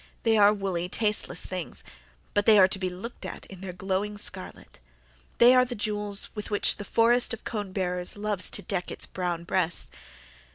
They are woolly, tasteless things. But they are to be looked at in their glowing scarlet. They are the jewels with which the forest of cone bearers loves to deck its brown breast.